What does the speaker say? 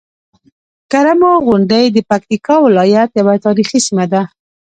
کرمو غونډۍ د پکتيکا ولايت یوه تاريخي سيمه ده.